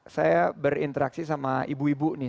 saya berinteraksi sama ibu ibu nih